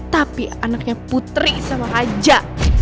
tapi anaknya putri sama aja